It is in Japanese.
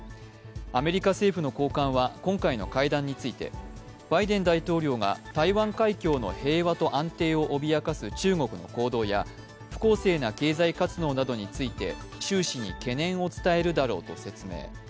アメリカ政府の高官は今回の会談についてバイデン大統領が、台湾海峡の平和と安定を脅かす中国の行動や不公正な経済活動などについて習氏に懸念を伝えるだろうと説明。